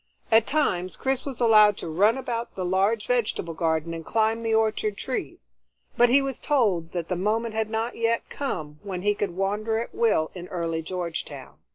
At times Chris was allowed to run about the large vegetable garden and climb the orchard trees, but he was told that the moment had not yet come when he could wander at will in early Georgetown.